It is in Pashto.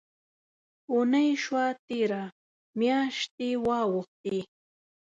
اوونۍ شوه تېره، میاشتي واوښتې